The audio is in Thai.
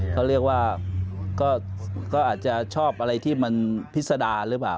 เขาเรียกว่าก็อาจจะชอบอะไรที่มันพิษดาหรือเปล่า